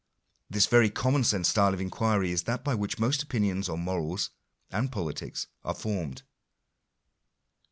This very 1 common sense style of inquiry is that by which most opinions on morals and politics are formed.